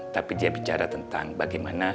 tapi dia bicara tentang bagaimana